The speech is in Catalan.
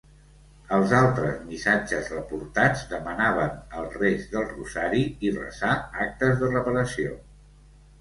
Els altres missatges reportats demanaven el rés del rosari i resar Actes de Reparació.